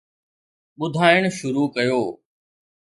ٻڌائڻ شروع ڪيو